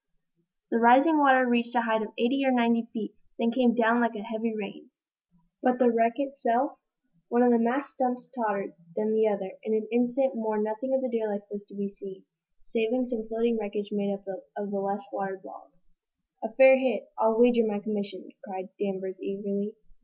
The rising water reached a height of eighty or ninety feet, then came down again like a heavy rain. But the wreck itself? One of the mast stumps tottered, then the other. In an instant more nothing of the derelict was to be seen, saving some floating wreckage made up of less water logged wood. "A fair hit, I'll wager my commission!" cried Danvers, eagerly.